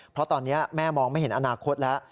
เพราะตอนนี้แม่มองไม่เห็นอนาคตแล้ว